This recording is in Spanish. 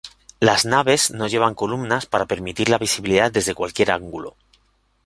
Las naves no llevan columnas para permitir la visibilidad desde cualquier ángulo.